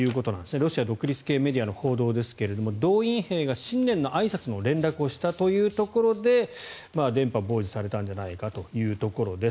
ロシアの独立系メディアの報道ですが動員兵が新年のあいさつの連絡をしたというところで電波を傍受されたんじゃないかというところです。